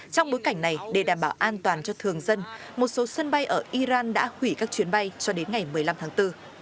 trong bối cảnh này để đảm bảo an toàn cho thường dân một số sân bay ở iran đã hủy các chuyến bay cho đến ngày một mươi năm tháng bốn